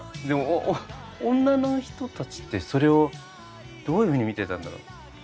でも女の人たちってそれをどういうふうに見てたんだろう。